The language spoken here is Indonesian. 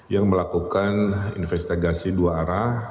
yang melakukan investigasi dua arah